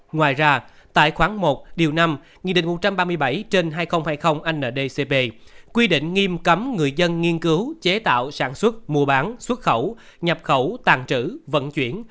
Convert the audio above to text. ngoài ra tại khoảng một điều năm nghị định một trăm ba mươi bảy trên hai nghìn hai mươi ndcp quy định nghiêm cấm người dân nghiên cứu chế tạo sản xuất mua bán xuất khẩu nhập khẩu tàn trữ vận chuyển